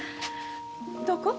どこ？